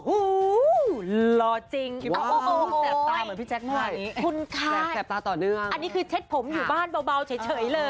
อูหูหล่อจริง